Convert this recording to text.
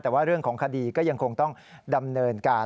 แต่ว่าเรื่องของคดีก็ยังคงต้องดำเนินการ